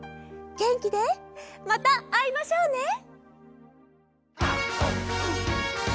げんきでまたあいましょうね。